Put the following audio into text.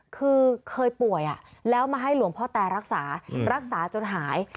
คือเคยป่วยแล้วมาให้หลวงพ่อแตรรักษารักษาจนหาย